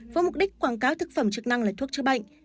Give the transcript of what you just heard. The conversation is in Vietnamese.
với mục đích quảng cáo thực phẩm chức năng là thuốc chữa bệnh